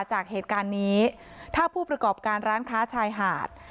จากเหตุการณ์นี้ถ้าผู้ประกอบการร้านค้าชายหาด